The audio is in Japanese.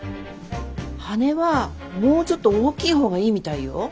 羽根はもうちょっと大きいほうがいいみたいよ。